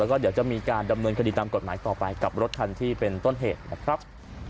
แล้วก็เดี๋ยวจะมีการดำเนินคดีตามกฎหมายต่อไปกับรถคันที่เป็นต้นเหตุนะครับ